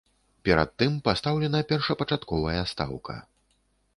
Перад тым пастаўлена першапачатковая стаўка.